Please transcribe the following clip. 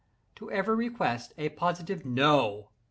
To every request, a positive "No!"